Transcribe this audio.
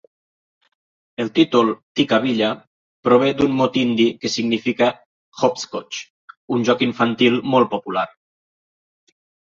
El títol "Tikkabilla" prové d'un mot hindi que significa "Hopscotch", un joc infantil molt popular.